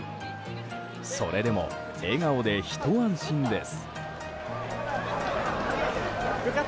それでも笑顔でひと安心です。